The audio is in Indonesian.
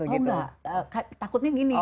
oh enggak takutnya gini